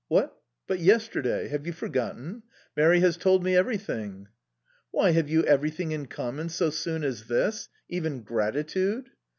"What? But yesterday! Have you forgotten?... Mary has told me everything"... "Why! Have you everything in common so soon as this? Even gratitude?"...